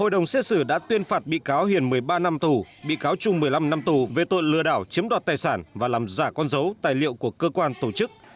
hội đồng xét xử đã tuyên phạt bị cáo hiền một mươi ba năm tù bị cáo trung một mươi năm năm tù về tội lừa đảo chiếm đoạt tài sản và làm giả con dấu tài liệu của cơ quan tổ chức